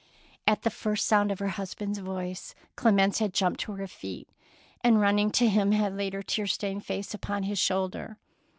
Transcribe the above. At the first sound of her husband's voice Clemence had jumped to her feet, and running to him had laid her tear stained face upon his shoulder.